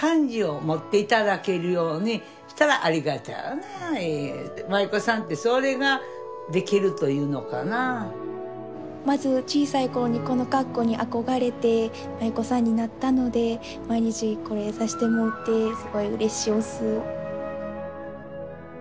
まあお客さんがいはったらまず小さい頃にこの格好に憧れて舞妓さんになったので毎日これさしてもうてすごいうれしおす。